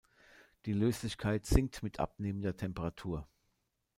Die Löslichkeit sinkt mit abnehmender Temperatur.